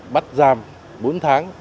bắt giam bốn tháng